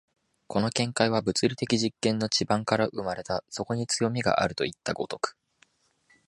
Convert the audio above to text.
この見解は物理的実験の地盤から生まれた、そこに強味があるといった如く。